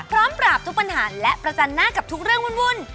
ปราบทุกปัญหาและประจันหน้ากับทุกเรื่องวุ่น